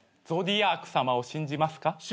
ゾディアークさまを信じますか？